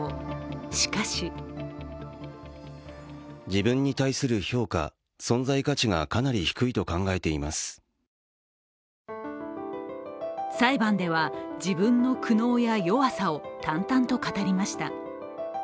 しかし裁判では自分の弱さや苦悩を淡々と語りました。